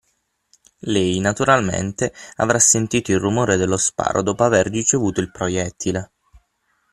Lei, naturalmente, avrà sentito il rumore dello sparo dopo aver ricevuto il proiettile.